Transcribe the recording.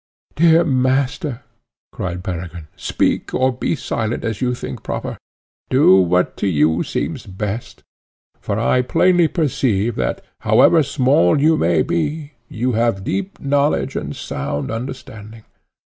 "Dear master," cried Peregrine, "speak, or be silent, as you think proper; do what to you seems best; for I plainly perceive that, however small you may be, you have deep knowledge and sound understanding.